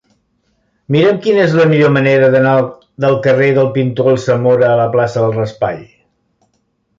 Mira'm quina és la millor manera d'anar del carrer del Pintor Alsamora a la plaça del Raspall.